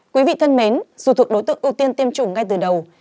quý vị thân mến dù thuộc đối tượng ưu tiên tiêm chủng ngay từ đầu